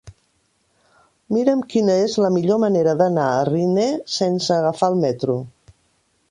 Mira'm quina és la millor manera d'anar a Riner sense agafar el metro.